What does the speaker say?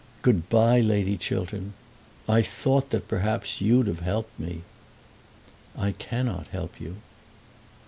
Good bye, Lady Chiltern. I thought that perhaps you'd have helped me." "I cannot help you."